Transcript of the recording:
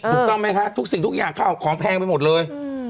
ถูกต้องไหมคะทุกสิ่งทุกอย่างข้าวของแพงไปหมดเลย